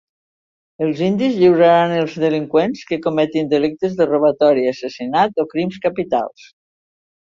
Els indis lliuraran els delinqüents que cometin delictes de robatori, assassinat, o crims capitals.